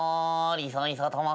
リサリサたま。